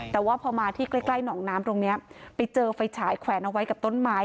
แต่ว่าพอมาที่ใกล้หนองน้ำตรงนี้ไปเจอไฟฉายแขวนเอาไว้กับต้นไม้